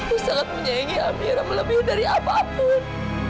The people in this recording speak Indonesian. aku sangat menyayangi amira melebihi dari apapun